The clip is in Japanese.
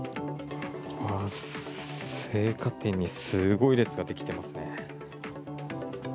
青果店にすごい列が出来てますね。